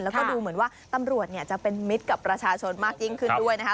แล้วก็ดูเหมือนว่าตำรวจจะเป็นมิตรกับประชาชนมากยิ่งขึ้นด้วยนะคะ